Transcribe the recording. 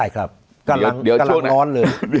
กำลังนอนเลย